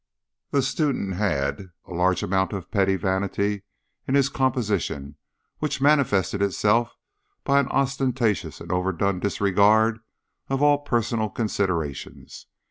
The student had a large amount of petty vanity in his composition which manifested itself by an ostentatious and overdone disregard of all personal considerations.